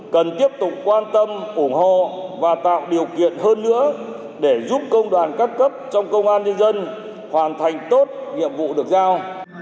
cần tiếp tục quan tâm ủng hộ và tạo điều kiện hơn nữa để giúp công đoàn các cấp trong công an nhân dân hoàn thành tốt nhiệm vụ được giao